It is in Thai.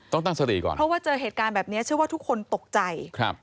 ต้องตั้งสติก่อนเพราะว่าเจอเหตุการณ์แบบนี้เชื่อว่าทุกคนตกใจครับ